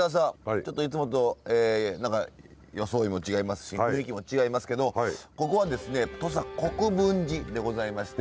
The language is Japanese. ちょっといつもと何か装いも違いますし雰囲気も違いますけどここはですね土佐国分寺でございまして。